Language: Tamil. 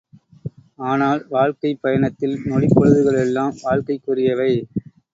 ஆனால், வாழ்க்கைப் பயணத்தில் நொடிப் பொழுதுகள் எல்லாம் வாழ்க்கைக்குரியவை.